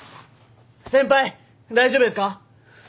先輩大丈夫ですか？